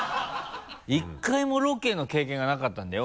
１回もロケの経験がなかったんだよ